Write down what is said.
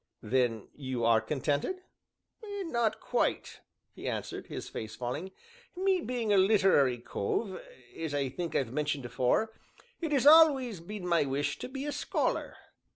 "Then you are contented?" "Not quite," he answered, his face falling; "me being a literary cove (as I think I've mentioned afore), it has always been my wish to be a scholar."